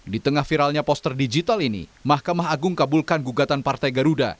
di tengah viralnya poster digital ini mahkamah agung kabulkan gugatan partai garuda